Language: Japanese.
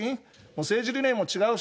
政治理念も違うし